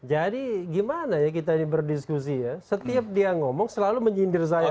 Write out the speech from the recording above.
jadi gimana ya kita ini berdiskusi ya setiap dia ngomong selalu menyindir saya ya